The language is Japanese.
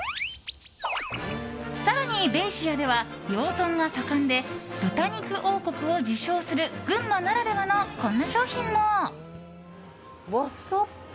更にベイシアでは養豚が盛んで豚肉王国を自称する群馬ならではのこんな商品も。